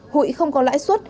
hội không có lãi suất